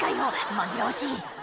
紛らわしい